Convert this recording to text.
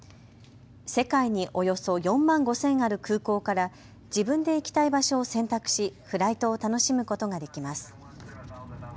世界におよそ４万５０００ある空港から自分で行きたい場所を選択しフライトを楽しむことができます。